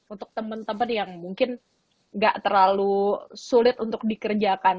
untuk teman teman yang mungkin nggak terlalu sulit untuk dikerjakan